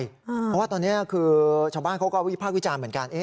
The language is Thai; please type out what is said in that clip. เพราะว่าตอนนี้คือชาวบ้านเขาก็วิพากษ์วิจารณ์เหมือนกัน